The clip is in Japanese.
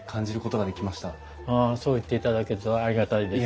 ああそう言っていただけるとありがたいです。